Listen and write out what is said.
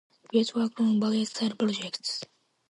Gillette worked on various side projects.